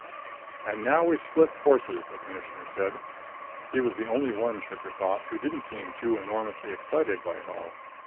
"And now we split forces," the Commissioner said. He was the only one, Trigger thought, who didn't seem too enormously excited by it all.